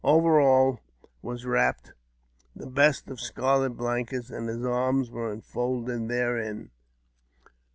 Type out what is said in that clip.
Over all was wrapped the best of scarlet blankets, and his arms were enfolded therein.